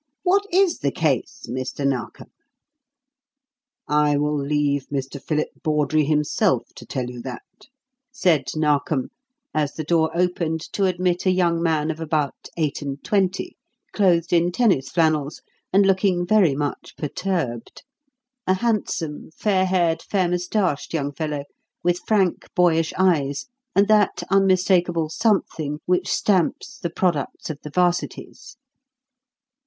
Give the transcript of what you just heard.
What is the case, Mr. Narkom?" "I will leave Mr. Philip Bawdrey himself to tell you that," said Narkom, as the door opened to admit a young man of about eight and twenty, clothed in tennis flannels, and looking very much perturbed, a handsome, fair haired, fair moustached young fellow, with frank, boyish eyes and that unmistakable something which stamps the products of the 'Varsities.